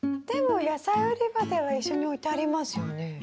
でも野菜売り場では一緒に置いてありますよね。